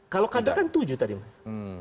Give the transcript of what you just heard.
kalau kader kan tujuh tadi mas